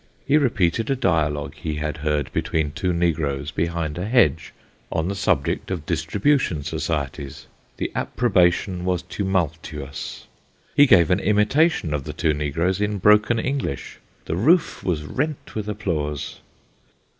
He repeated a dialogue he had heard between two negroes, behind a hedge, on the subject of distribution societies; the approbation was tumultuous. He gave an imitation of the two negroes in broken English ; the roof was rent with applause.